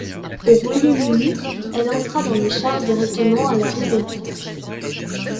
Au Royaume-Uni elle entra dans les charts directement à la deuxième place.